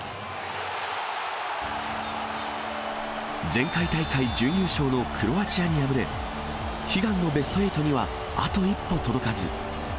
前回大会準優勝のクロアチアに敗れ、悲願のベスト８にはあと一歩届かず。